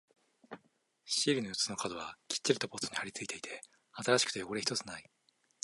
シールの四つの角はきっちりとポストに貼り付いていて、新しくて汚れ一つない。